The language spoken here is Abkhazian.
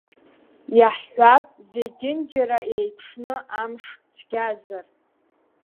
Иаҳҳәап, зегьынџьара еиԥшны амш цәгьазар!